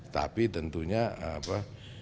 tapi tentunya apa